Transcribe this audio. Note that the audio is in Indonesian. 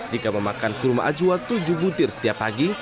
jika memakan kurma ajwa tujuh butir setiap pagi